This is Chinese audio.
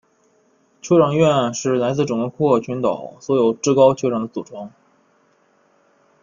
酋长院是来自整个库克群岛所有至高酋长的组成。